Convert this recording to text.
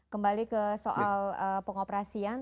kembali ke soal pengoperasian